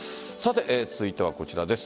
続いてはこちらです。